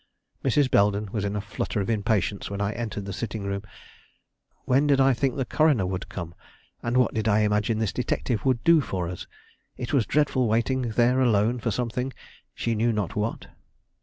Mrs. Belden was in a flutter of impatience when I entered the sitting room. When did I think the coroner would come? and what did I imagine this detective would do for us? It was dreadful waiting there alone for something, she knew not what.